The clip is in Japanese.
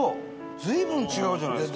随分違うじゃないですか。